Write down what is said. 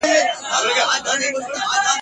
لکه پل غوندي په لار کي پاتېده دي !.